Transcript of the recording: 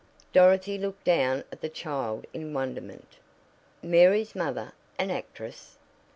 Dorothy looked down at the child in wonderment. Mary's mother an actress!